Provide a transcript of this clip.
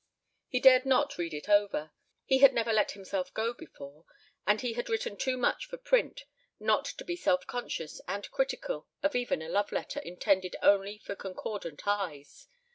He dared not read it over. He had never let himself go before, and he had written too much for print not to be self conscious and critical of even a love letter intended only for concordant eyes.